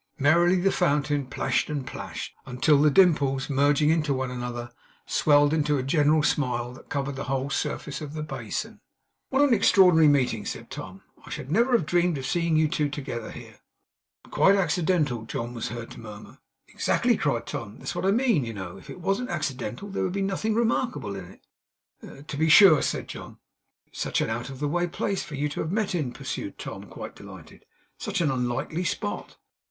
Merrily the fountain plashed and plashed, until the dimples, merging into one another, swelled into a general smile, that covered the whole surface of the basin. 'What an extraordinary meeting!' said Tom. 'I should never have dreamed of seeing you two together here.' 'Quite accidental,' John was heard to murmur. 'Exactly,' cried Tom; 'that's what I mean, you know. If it wasn't accidental, there would be nothing remarkable in it.' 'To be sure,' said John. 'Such an out of the way place for you to have met in,' pursued Tom, quite delighted. 'Such an unlikely spot!